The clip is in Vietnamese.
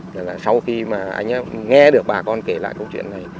thì là sau khi mà anh ấy nghe được bà con kể lại câu chuyện này